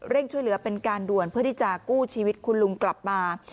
ช่วยเหลือเป็นการด่วนเพื่อที่จะกู้ชีวิตคุณลุงกลับมา